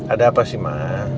ada apa sih ma